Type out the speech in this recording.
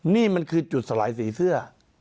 นี่มันคือจุดสลายสีเสื้อ